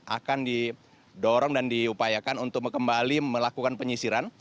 akan didorong dan diupayakan untuk kembali melakukan penyisiran